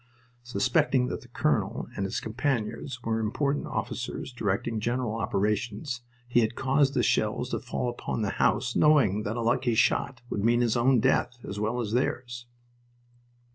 Suspecting that the colonel and his companions were important officers directing general operations, he had caused the shells to fall upon the house knowing that a lucky shot would mean his own death as well as theirs.